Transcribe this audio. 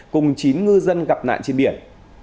cùng chín ngư dân gặp nạn trên biển